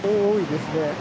多いですね。